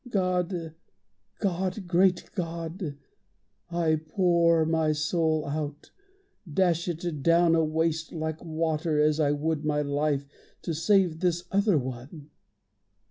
God, God! Great God! I pour my soul out, dash it down awaste Like water, as I would my life, to save This other one.